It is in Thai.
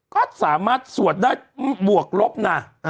ก็สามารถสวดได้บวกลบนะ